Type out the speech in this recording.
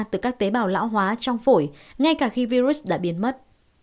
từ các tế bào lão hóa trong phổi ngay cả khi virus đã biến mất